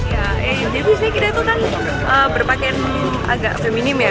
jadi biasanya kita itu kan berpakaian agak feminim ya